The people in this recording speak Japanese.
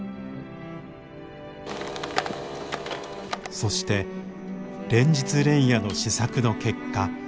そして連日連夜の試作の結果。